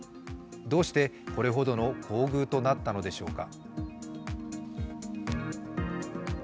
どうしてこれほどの厚遇となったのでしょうか